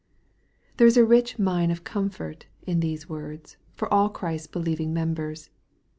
There is a rich mine of comfort, in these words, for all Christ's believing members.